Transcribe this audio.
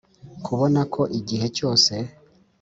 Kubona ko igihe cyose